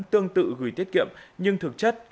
tương tự gửi tiết kiệm nhưng thực chất